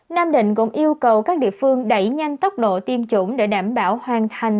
nam định cũng yêu cầu các địa phương đẩy nhanh tốc độ tiêm chủng để đảm bảo hoàn thành